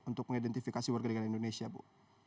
untuk mengidentifikasi warga negara indonesia bu